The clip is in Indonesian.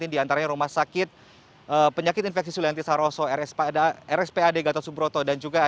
di antaranya rumah sakit penyakit infeksi sulianti saroso rspad gatot subroto